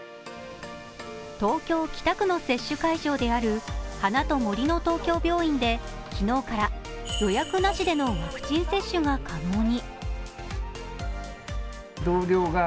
東京・北区の接種会場である花と森の東京病院で昨日から予約なしでのワクチン接種が可能に。